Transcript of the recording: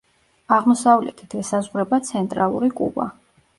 აღმოსავლეთით ესაზღვრება ცენტრალური კუბა.